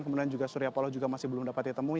kemudian juga surya paloh juga masih belum dapat ditemui